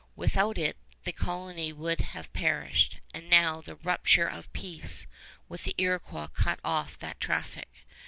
Without it the colony would have perished, and now the rupture of peace with the Iroquois cut off that traffic.